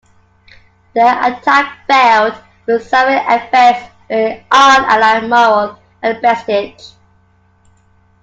The attack failed, with severe effects on Allied morale and prestige.